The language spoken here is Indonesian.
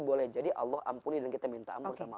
boleh jadi allah ampuni dan kita minta ampun sama allah